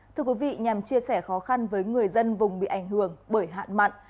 thưa quý vị nhằm chia sẻ khó khăn với người dân vùng bị ảnh hưởng bởi hạn mặn